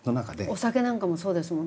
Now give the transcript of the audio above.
お酒なんかもそうですもんね